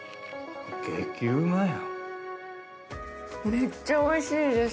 めっちゃおいしいです。